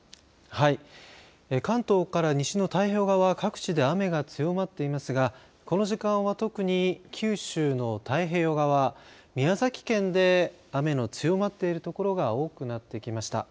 関東から西の太平洋側は各地で雨が強まっていますがこの時間は特に九州の太平洋側、宮崎県で雨の強まっている所が多くなってきました。